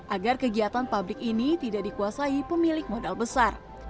agar kegiatan pabrik ini tidak dikuasai pemilik modal besar